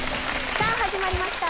さあ始まりました